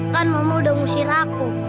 kan mama udah ngusir aku